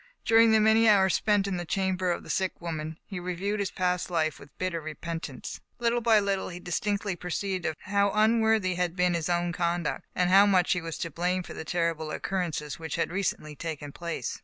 During the many hours spent in the chamber of the sick woman, he reviewed his past life with bitter repentance. Little by little he distinctly perceived how un worthy had been his own conduct, and how much he was to blame for the terrible occurrences which had recently taken place.